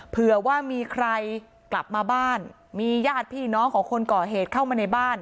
เผื่อว่ามีใครกลับมาบ้านมีญาติพี่น้องของคนก่อเหตุเข้ามาในบ้าน